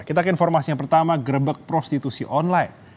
kita ke informasi yang pertama gerebek prostitusi online